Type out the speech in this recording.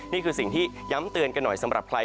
นี่คือสิ่งที่ย้ำเตือนกันหน่อย